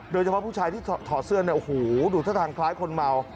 โดยเฉพาะผู้ชายที่ถอดเสื้อเนี่ยโอ้โหดูท่าทางคล้ายคนเมา